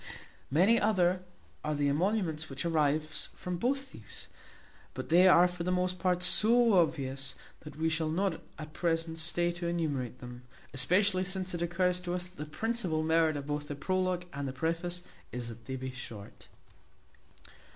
Many other are the emoluments which arise from both these, but they are for the most part so obvious, that we shall not at present stay to enumerate them; especially since it occurs to us that the principal merit of both the prologue and the preface is that they be short.